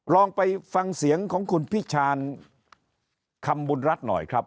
ลองไปฟังเสียงของคุณพิชานคำบุญรัฐหน่อยครับ